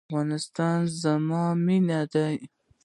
افغانستان زما مینه ده